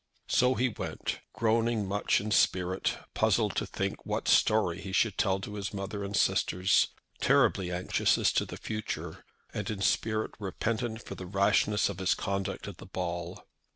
So he went, groaning much in spirit, puzzled to think what story he should tell to his mother and sisters, terribly anxious as to the future, and in spirit repentant for the rashness of his conduct at the ball.